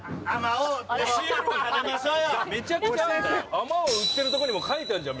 あまおう売ってるとこにも書いてあるじゃん